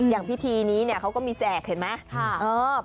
อย่างพิธีนี้เขาก็มีแจกเห็นไหม